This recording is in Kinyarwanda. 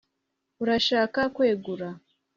urashaka kwegura